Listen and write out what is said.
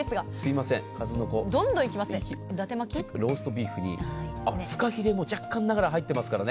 数の子ローストビーフにフカヒレも若干ながら入っていますから。